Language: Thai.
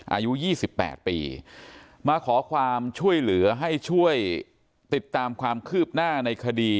อายุ๒๘ปีมาขอความช่วยเหลือให้ช่วยติดตามความคืบหน้าในคดี